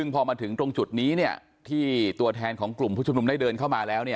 พอมาถึงตรงจุดนี้ที่ตัวแทนของกลุ่มผู้ชุมนุมได้เดินเข้ามาแล้ว